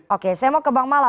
oke saya mau ke bang mala